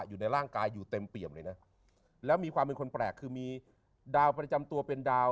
อยู่ในร่างกายอยู่เต็มเปี่ยมเลยนะแล้วมีความเป็นคนแปลกคือมีดาวประจำตัวเป็นดาว